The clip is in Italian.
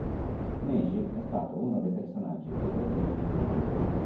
Neji è stato uno dei personaggi più presenti in Naruto.